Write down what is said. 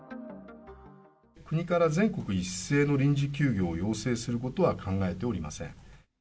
国から全国一斉の臨時休校を要請することは考えておりません。